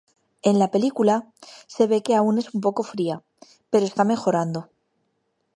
En la película, se ve que aun es un poco fría, pero está mejorando.